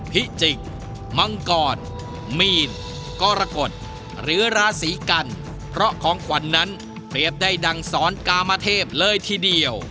พิจิกษ์มังกรมีนกรกฎหรือราศีกันเพราะของขวัญนั้นเปรียบได้ดังสอนกามเทพเลยทีเดียว